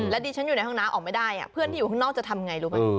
ดิฉันอยู่ในห้องน้ำออกไม่ได้เพื่อนที่อยู่ข้างนอกจะทำไงรู้ป่ะ